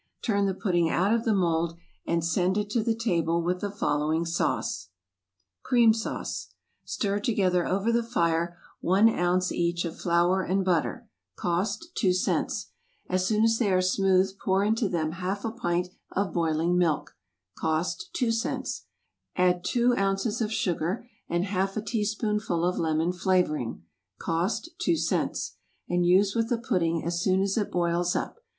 Turn the pudding out of the mould, and send it to the table with the following sauce: =Cream Sauce.= Stir together over the fire one ounce each of flour and butter, (cost two cents;) as soon as they are smooth pour into them half a pint of boiling milk, (cost two cents,) add two ounces of sugar and half a teaspoonful of lemon flavoring, (cost two cents,) and use with the pudding as soon as it boils up.